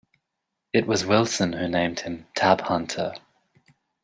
It was Willson who named him "Tab Hunter".